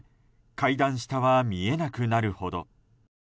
階段下は見えなくなるほど。